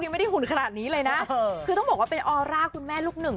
ไม่ได้หุ่นขนาดนี้เลยนะคือต้องบอกว่าเป็นออร่าคุณแม่ลูกหนึ่ง